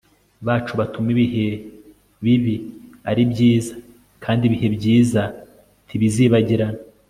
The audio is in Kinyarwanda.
bacu batuma ibihe bibi ari byiza kandi ibihe byiza ntibizibagirana